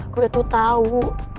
gue tuh tau